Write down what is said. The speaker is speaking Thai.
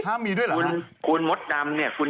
ห้ามมีด้วยเหรอ